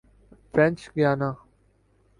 French Guiana